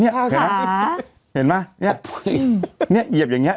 เนี้ยเห็นไหมเห็นไหมเนี้ยเหยียบอย่างเงี้ย